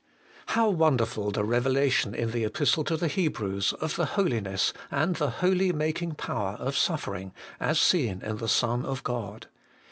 1. How wonderful the revelation in the Epistle to the Hebrews of the holiness and the holy making power of suffering, as seen in the Son of God